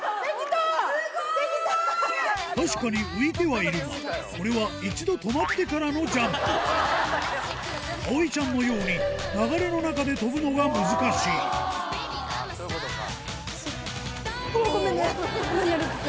確かに浮いてはいるがこれは一度止まってからのジャンプ藍ちゃんのようにそういうことか。